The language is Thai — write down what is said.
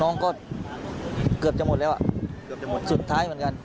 น้องก็เกือบจะหมดแล้วสุดท้ายเหมือนกัน